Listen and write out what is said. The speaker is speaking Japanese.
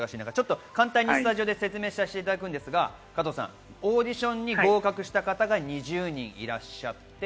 簡単にスタジオで説明させていただくんですが、オーディションに合格した方が２０人いらっしゃいます。